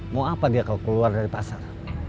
mau apa dia kalau keluar dari pasar